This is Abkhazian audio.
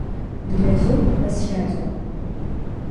Убри азоуп ҳазхьаҵуа.